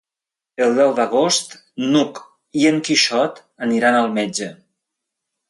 El deu d'agost n'Hug i en Quixot aniran al metge.